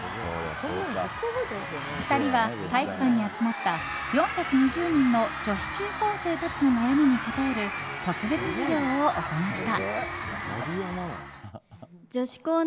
２人は体育館に集まった４２０人の女子中高生たちの悩みに答える特別授業を行った。